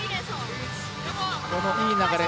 このいい流れ。